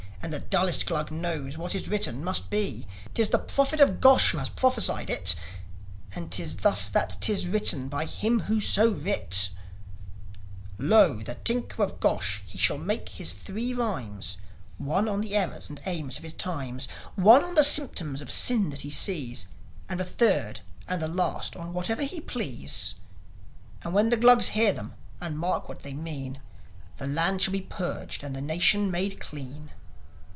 "And the dullest Glug knows what is written must be. 'Tis the prophet of Gosh who has prophesied it; And 'tis thus that 'tis written by him who so writ: "'Lo, the Tinker of Gosh he shall make him three rhymes: One on the errors and aims of his times, One on the symptoms of sin that he sees, And the third and the last on whatever he please. And when the Glugs hear them and mark what they mean The land shall be purged and the nation made clean."'